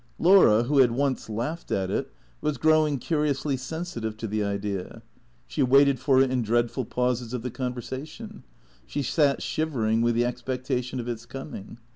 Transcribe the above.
Laura, who had once laughed at it, was growing curiously sensitive to the idea. She waited for it in dreadful pauses of the conversation ; she sat shivering with the expectation of its coming.